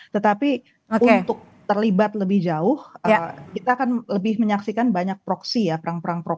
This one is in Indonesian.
tetapi untuk terlibat lebih jauh kita akan lebih menyaksikan banyak proksi ya perang perang